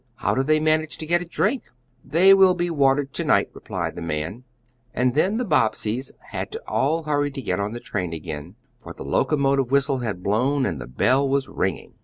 How do they manage to get a drink?" "They will be watered to night," replied the man, and then the Bobbseys had to all hurry to get on the train again, for the locomotive whistle had blown and the bell was ringing.